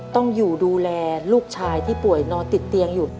ต้องอยู่ดูแลลูกชายที่ป่วยนอนติดเตียงอยู่